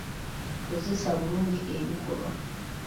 Kozesa bulungi ebikolwa.